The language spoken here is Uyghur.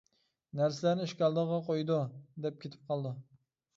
نەرسىلەرنى ئىشىك ئالدىغا قويىدۇ دە كېتىپ قالىدۇ.